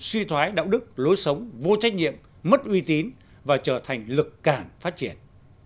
suy thoái đạo đức lối sống vô trách nhiệm mất uy tín và trở thành lực cản phát triển